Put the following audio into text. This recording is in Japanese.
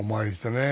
ねえ。